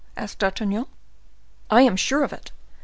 asked D'Artagnan. "I am sure of it.